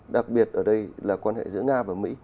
đặc biệt ở đây là quan hệ giữa nga và mỹ